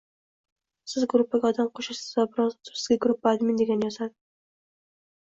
Siz gruppaga odam qo‘shasiz va biroz o‘tib sizga «Gruppa Admin» degani yozadi.